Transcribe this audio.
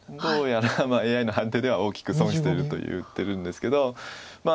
どうやらＡＩの判定では大きく損してると言ってるんですけど。